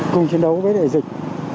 cùng chiến đấu với đại dịch